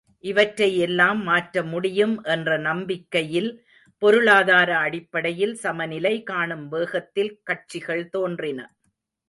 இவற்றை எல்லாம் மாற்ற முடியும் என்ற நம்பிக்கையில் பொருளாதார அடிப்படையில் சமநிலை காணும் வேகத்தில் கட்சிகள் தோன்றின.